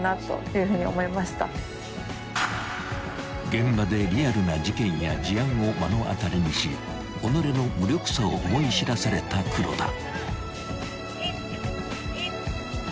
［現場でリアルな事件や事案を目の当たりにし己の無力さを思い知らされた黒田］